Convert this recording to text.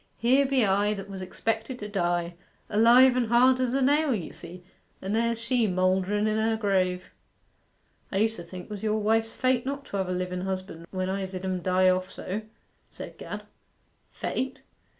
Here be I, that was expected to die, alive and hard as a nail, you see, and there's she moulderen in her grave.' 'I used to think 'twas your wife's fate not to have a liven husband when I zid 'em die off so,' said Gad. 'Fate?